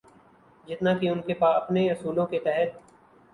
جتنا کہ ان کے اپنے اصولوں کے تحت۔